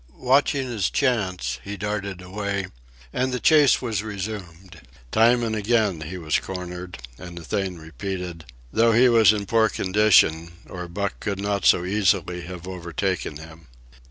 Watching his chance, he darted away, and the chase was resumed. Time and again he was cornered, and the thing repeated, though he was in poor condition, or Buck could not so easily have overtaken him.